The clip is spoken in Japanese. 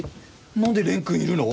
何で蓮くんいるの？